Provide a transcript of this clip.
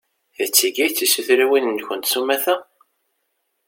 D tigi i d tisutriwin-nkent s umata?